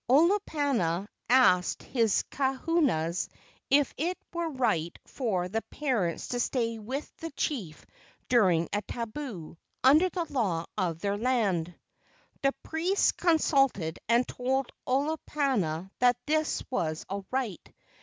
Olopana asked his kahunas if it were right for the parents to stay with the chief during a tabu, under the law of their land. The priests con¬ sulted and told Olopana that this was all right.